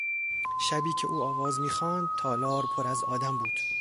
شبی که او آواز میخواند تالار پر از آدم بود.